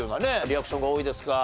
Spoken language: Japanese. リアクションが多いですが。